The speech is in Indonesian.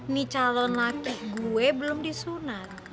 nih calon laki gue belum disunat